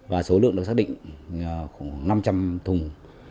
và số lượng được xác định khoảng năm trăm linh thùng